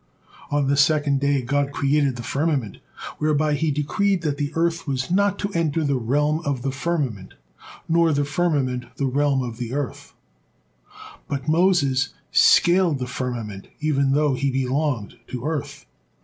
On the second day God created the firmament, whereby He decreed that the earth was not to enter the realm of the firmament, nor the firmament the realm of the earth, but Moses scaled the firmament even though he belonged to earth.